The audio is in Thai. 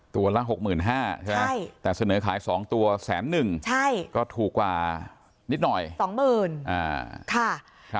ตัวละ๖๕๐๐ใช่ไหมแต่เสนอขาย๒ตัว๑๑๐๐ก็ถูกกว่านิดหน่อย๒๐๐๐บาท